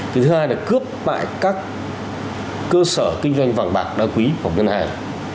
thứ hai là cướp tại các cơ sở kinh doanh vàng bạc đa quý của ngân hàng